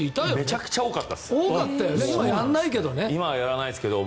めちゃくちゃ多かったです。